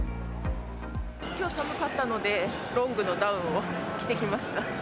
きょう寒かったので、ロングのダウンを着てきました。